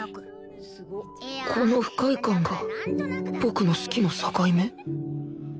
この不快感が僕の「好き」の境目？